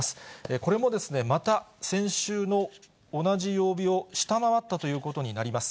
これもまた先週の同じ曜日を下回ったということになります。